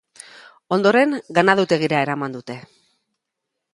Ondoren, ganadutegira eraman dute.